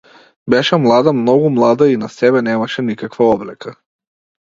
Беше млада, многу млада, и на себе немаше никаква облека.